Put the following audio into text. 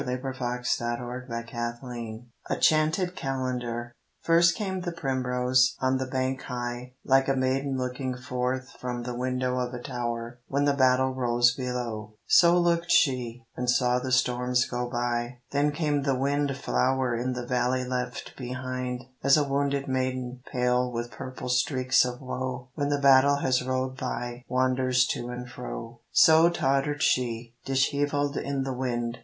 William Shakespeare 142 RAINBOW GOLD A CHANTED CALENDAR FIRST came the primrose, On the bank high, Like a maiden looking forth From the window of a tower When the battle rolls below, So looked she, And saw the storms go by. Then came the wind flower In the valley left behind, As a wounded maiden, pale With purple streaks of woe, When the battle has rolled by Wanders to and fro So tottered she, Dishevelled in the wind.